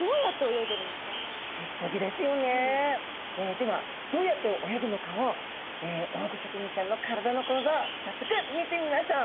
ではどうやって泳ぐのかをオオグソクムシちゃんの体の構造早速見てみましょう。